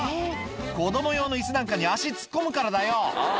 子供用の椅子なんかに足突っ込むからだよ